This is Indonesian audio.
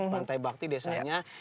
pantai bakti desanya